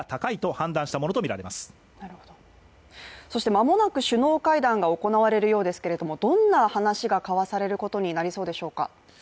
間もなく首脳会談が行われるようですがどんな話が交わされることになりそうでしょうか？